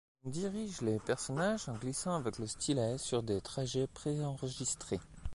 On dirige les personnages en glissant avec le stylet sur des trajets préenregistrés.